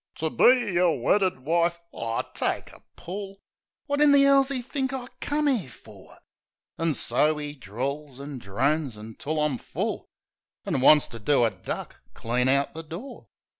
"To — be — yer — weddid — wife —" Aw, take a pull! Wot in the 'ell's 'e think I come there for? An' so 'e drawls an' drones until I'm full, An' wants to do a duck clean out the door.